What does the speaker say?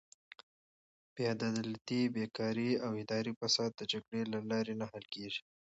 بېعدالتي، بېکاري او اداري فساد د جګړې له لارې نه حل کیږي.